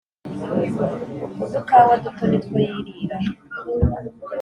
udukawa duto nitwo yirira